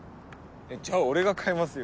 じゃあ俺が買いますよ。